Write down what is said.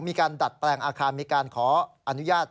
ดัดแปลงอาคารมีการขออนุญาต